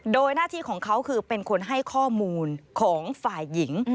โดยหน้าที่ของเขาคือเป็นคนให้ข้อมูลของฝ่ายหญิง